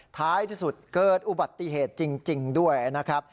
ท้ายที่สุดเกิดอุบัติเหตุจริงด้วยนะครับ